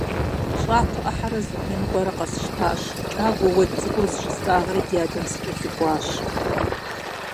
ЩӀакхъуэ Ӏыхьэрэ зы кхъуей ныкъуэрэ къасщтэщ, кӀагуэ уэд цӀыкӀур зыщыстӏагъэри ди адэм сыкӀэлъыкӀуащ.